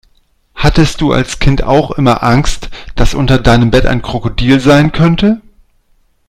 Hattest du als Kind auch immer Angst, dass unter deinem Bett ein Krokodil sein könnte?